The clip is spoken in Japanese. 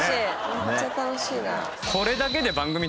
めっちゃ楽しいな。